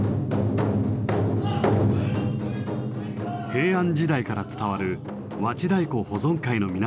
平安時代から伝わる和知太鼓保存会の皆さんです。